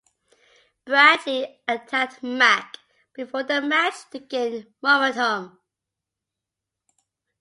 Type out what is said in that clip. Bradley attacked Mack before the match to gain momentum.